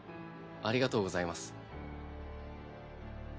ありがとうございます。